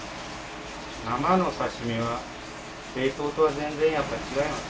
生の刺身は冷凍とは全然やっぱ違いますよ。